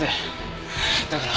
だから。